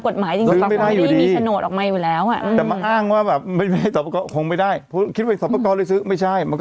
ใช่แต่ตามกฎหมายจริงก็